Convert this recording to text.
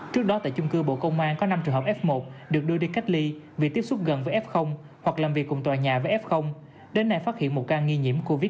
trước đó tại chung cư bộ công an có năm trường hợp f một được đưa đi cách ly vì tiếp xúc gần với f hoặc làm việc cùng tòa nhà với f đến nay phát hiện một ca nghi nhiễm covid một mươi chín